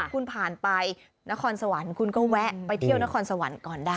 คุณผ่านไปนครสวรรค์คุณก็แวะไปเที่ยวนครสวรรค์ก่อนได้